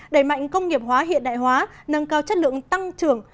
đẩy mạnh công nghiệp hóa hiện đại hóa nâng cao chất lượng tăng trưởng